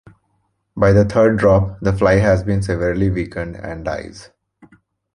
By the third drop, the fly has been severely weakened, and dies.